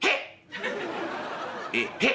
「えっ？」。